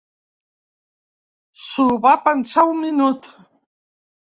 S'ho va pensar un minut.